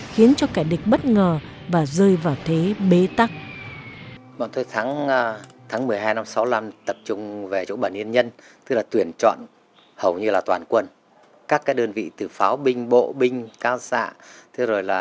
khiến cho cảnh sát của bộ đội ta đã được đánh bắt